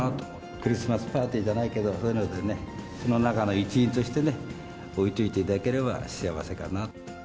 クリスマスパーティーじゃないけど、そういうのでね、その中の一員としてね、置いといていただければ幸せかなと。